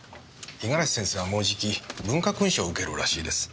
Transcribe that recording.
五十嵐先生はもうじき文化勲章を受けるらしいです。